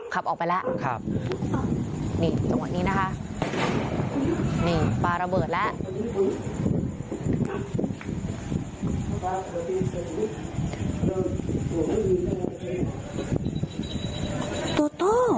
ขับออกไปแล้วครับนี่จังหวะนี้นะคะนี่ปลาระเบิดแล้ว